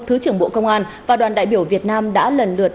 thứ trưởng bộ công an và đoàn đại biểu việt nam đã lần lượt